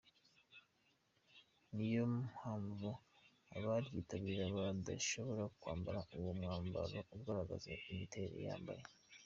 Ni nayo mpamvu abaryitabira badashobora kwambara uwo mwambaro ugaragaza imiterere y’uyambaye.